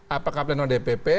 apakah pleno dpp